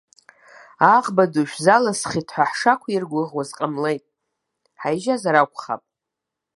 Аӷба ду шәзалысхит ҳәа ҳшақәиргәыӷуаз иҟамлеит, ҳаижьазар акәхап.